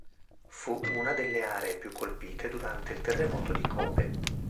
Fu una delle aree più colpite durante il terremoto di Kobe.